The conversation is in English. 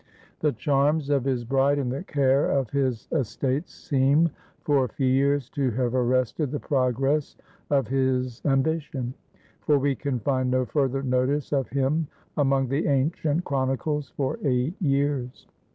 The charms of his bride and the care of his es tates seem for a few years to have arrested the progress of his ambition ; for we can find no further notice of him among the ancient chronicles for eight years.